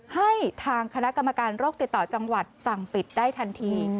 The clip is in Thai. ให้ทางคณะกรรมการโรคติดต่อจังหวัดสั่งปิดได้ทันที